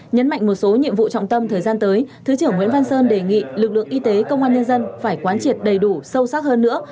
nhấn mạnh một số nhiệm vụ trọng tâm thời gian tới thứ trưởng nguyễn văn sơn đề nghị lực lượng y tế công an nhân dân phải quán triệt đầy đủ sâu sắc hơn nữa